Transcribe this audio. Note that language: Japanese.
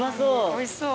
おいしそう。